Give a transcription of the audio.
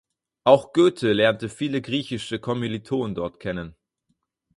Auch Goethe lernte viele griechische Kommilitonen dort kennen.